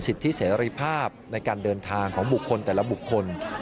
สิทธิเสรีภาพในการเดินทางของบุคคลแต่ละบุคคล